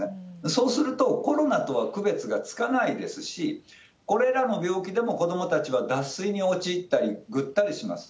そうすると、コロナとは区別がつかないですし、これらの病気でも子どもたちは脱水に陥ったり、ぐったりします。